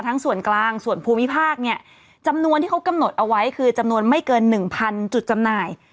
ทั้งส่วนกลางส่วนภูมิภาคเนี่ยจำนวนที่เขากำหนดเอาไว้คือจำนวนไม่เกินหนึ่งพันจุดจำหน่าย